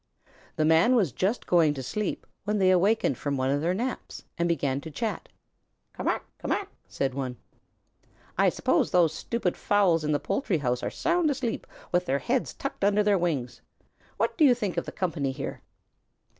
The Man was just going to sleep when they awakened from one of their naps and began to chat. "Ca mac! Ca mac!" said one. "I suppose those stupid fowls in the poultry house are sound asleep, with their heads tucked under their wings. What do you think of the company here?"